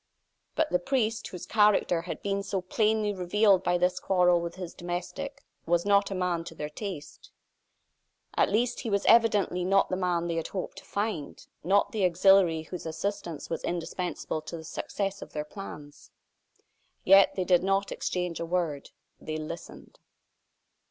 But the priest, whose character had been so plainly revealed by this quarrel with his domestic, was not a man to their taste. At least, he was evidently not the man they had hoped to find not the auxiliary whose assistance was indispensable to the success of their plans. Yet they did not exchange a word; they listened.